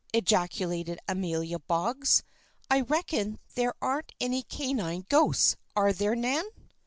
ejaculated Amelia Boggs. "I reckon there aren't any canine ghosts; are there, Nan?"